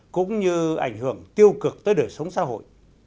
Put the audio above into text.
cũng như ảnh hưởng tiêu cực tới đời sống xã hội